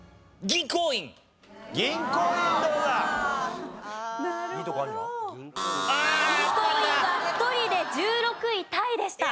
銀行員は１人で１６位タイでした。